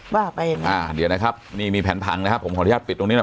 ว่าไปยังไงอ่าเดี๋ยวนะครับนี่มีแผนพังนะครับผมขออนุญาตปิดตรงนี้หน่อย